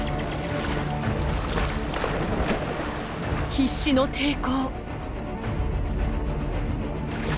必死の抵抗。